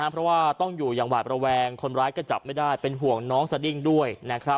เพราะว่าต้องอยู่อย่างหวาดระแวงคนร้ายก็จับไม่ได้เป็นห่วงน้องสดิ้งด้วย